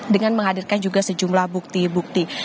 dengan menghadirkan juga sejumlah bukti bukti